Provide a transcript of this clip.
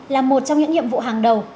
là một trong những nhiệm vụ hàng đầu